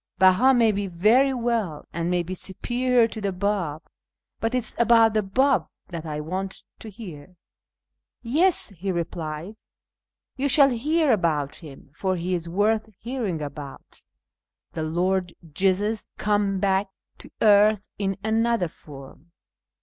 Beha may be very well, and may be superior to the Bab, but it is about the Bab that I want to hear." " Yes," he replied, " you shall hear about him, for he is worth hearing about — the Lord Jesus come back to earth in another form.